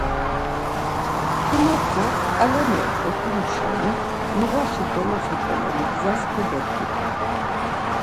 Pinokyo ǩalemi eç̌opinu şeni noğaşi doloxe ǩeleni gzas kogedgitu.